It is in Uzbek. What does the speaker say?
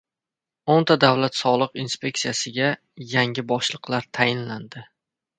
O‘nta davlat soliq inspeksiyasiga yangi boshliqlar tayinlandi